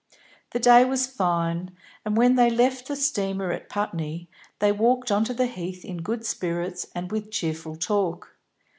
The day was fine, and, when they left the steamer at Putney, they walked on to the heath in good spirits and with cheerful talk.